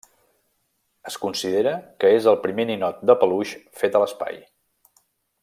Es considera que és el primer ninot de peluix fet a l'espai.